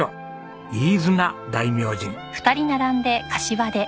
飯綱大明神。